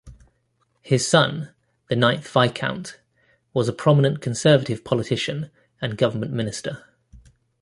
His son, the ninth Viscount, was a prominent Conservative politician and government minister.